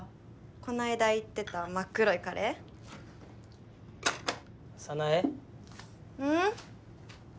こないだ言ってた真っ黒いカレー早苗うん？